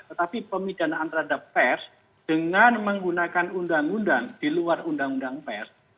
tetapi pemidanaan terhadap pers dengan menggunakan undang undang di luar undang undang pers